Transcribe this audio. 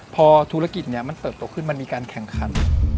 พอธุรกิจนี้มันเติบโตขึ้นมันมีการแข่งขัน